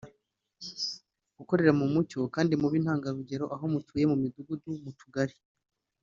gukorera mu mucyo kandi mube intangarugero aho mutuye mu midugudu mu tugari